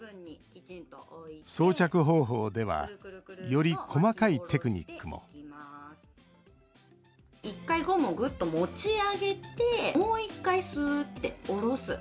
装着方法ではより細かいテクニックも１回、ゴムをぐっと持ち上げてもう１回、すーって下ろす。